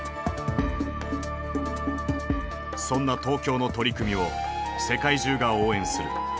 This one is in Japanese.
そんな東京の取り組みを世界中が応援する。